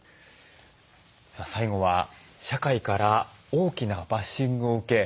最後は社会から大きなバッシングを受け